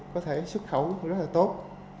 có thể xuất khẩu rất là tốt